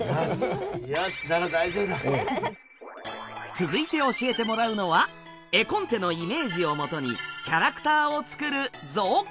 続いて教えてもらうのは絵コンテのイメージをもとにキャラクターを作る「造形」。